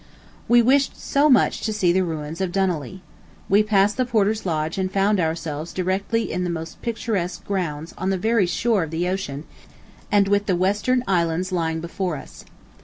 We wished much to see the ruins of Dunolly. We passed the porter's lodge and found ourselves directly in the most picturesque grounds on the very shore of the ocean and with the Western Islands lying before us.